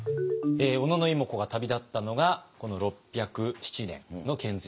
小野妹子が旅立ったのがこの６０７年の遣隋使ですね。